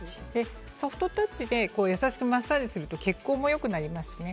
ソフトタッチで優しくマッサージすると血行もよくなりますしね。